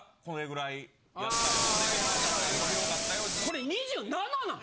これ２７なん？